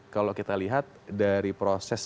kalau kita lihat dari proses